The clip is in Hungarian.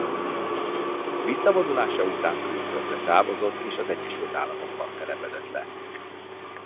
Visszavonulása után külföldre távozott és az Egyesült Államokban telepedett le.